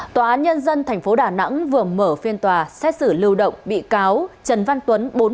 tòa án nhân dân tp đà nẵng vừa mở phiên tòa xét xử lưu động bị cáo trần văn tuấn